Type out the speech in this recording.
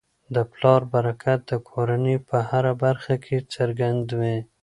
د پلار برکت د کورنی په هره برخه کي څرګند وي.